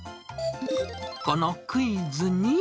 このクイズに。